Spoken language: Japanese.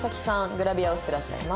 グラビアをしてらっしゃいます。